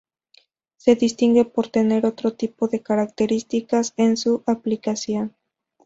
Se distinguen por tener otro tipo de características en su aplicación.